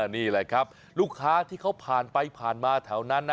นี่แหละครับลูกค้าที่เขาผ่านไปผ่านมาแถวนั้นนะ